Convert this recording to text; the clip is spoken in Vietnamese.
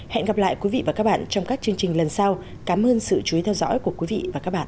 hẹn gặp lại quý vị và các bạn trong các chương trình lần sau cảm ơn sự chú ý theo dõi của quý vị và các bạn